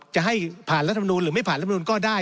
จะให้ผ่านรัฐมนูลหรือไม่ผ่านรัฐมนุนก็ได้